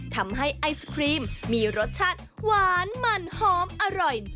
ทำให้ไอศครีมมีรสชาติหวานมันหอมอร่อย